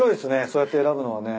そうやって選ぶのもね。